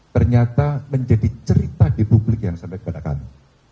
ternyata menjadi cerita di publik yang sampai kepada kami